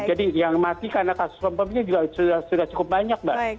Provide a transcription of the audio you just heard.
jadi yang mati karena kasus konfirmnya sudah cukup banyak